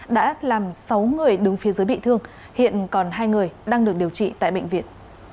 đã làm sáu người đứng phía dưới bị thương hiện còn hai người đang được điều trị tại bệnh viện